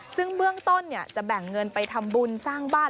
ซึ่งเบื้องต้นจะแบ่งเงินไปทำบุญสร้างบ้าน